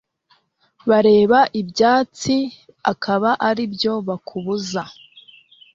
Bareba ibyatsi akaba aribyo bakubuza